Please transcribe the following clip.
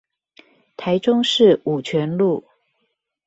台中市五權路